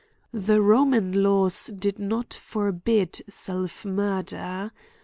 The Roman laws did not forbid self murder.